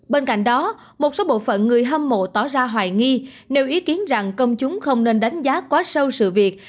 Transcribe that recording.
bên cạnh đó một số bộ phận người hâm mộ tỏ ra hoài nghi nêu ý kiến rằng công chúng không nên đánh giá quá sâu sự việc